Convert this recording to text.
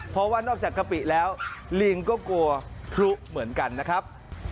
เพราะว่านอกจากกะปิแล้วลิงก็กลัวพลุเหมือนกันนะครับ